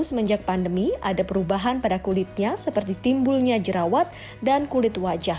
semenjak pandemi ada perubahan pada kulitnya seperti timbulnya jerawat dan kulit wajah